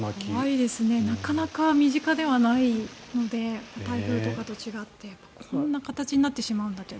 なかなか身近ではないので台風とかと違ってこんな形になってしまうんだと。